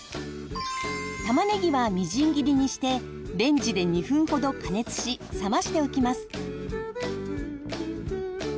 玉ねぎはみじん切りにしてレンジで２分ほど加熱し冷ましておきます。